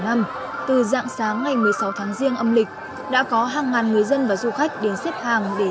từ dạng sáng ngày một mươi sáu tháng riêng âm lịch đã có hàng ngàn người dân và du khách đến xếp hàng để